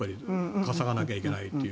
稼がなきゃいけないと。